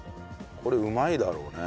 これうまいだろうね。